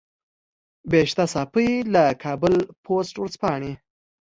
بهشته صافۍ له کابل پوسټ ورځپاڼې.